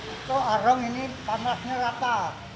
itu arang ini panasnya rata